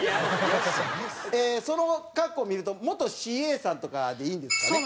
その格好を見ると元ＣＡさんとかでいいんですかね。